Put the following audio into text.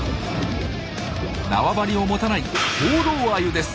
縄張りを持たない「放浪アユ」です。